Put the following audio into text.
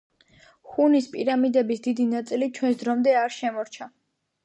ჰუნის პირამიდების დიდი ნაწილი ჩვენს დრომდე არ შემორჩა.